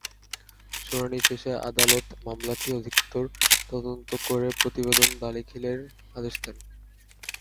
শুনানি শেষে আদালত মামলাটি অধিকতর তদন্ত করে প্রতিবেদন দাখিলের আদেশ দেন।